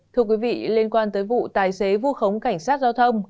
thưa quý vị liên quan tới vụ tài xế vu khống cảnh sát giao thông